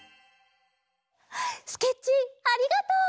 スケッチーありがとう！